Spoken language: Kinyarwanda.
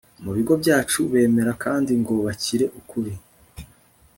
mu bigo byacu bemera kandi ngo bakire ukuri